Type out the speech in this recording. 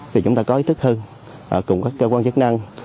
thì chúng ta có ý thức hơn cùng các cơ quan chức năng